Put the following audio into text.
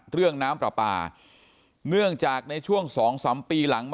เรื่องน้ำปลาปลาเนื่องจากในช่วง๒๓ปีหลังมา